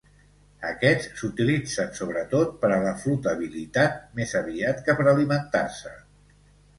Aquests s'utilitzen sobretot per a la flotabilitat, més aviat que per alimentar-se.